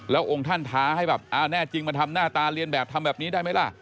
แล้วองค์ท่านท้าให้แบบเอาแน่จริงมาทำหน้าตาเรียนแบบทำแบบนี้ได้ไหมล่ะ